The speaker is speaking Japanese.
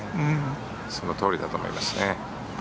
そのとおりだと思いますね。